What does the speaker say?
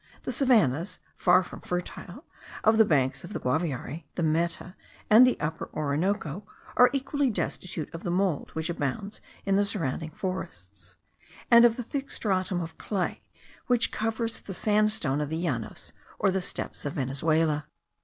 The savannahs (far from fertile) of the banks of the Guaviare, the Meta, and the Upper Orinoco, are equally destitute of the mould which abounds in the surrounding forests, and of the thick stratum of clay, which covers the sandstone of the Llanos, or steppes of Venezuela.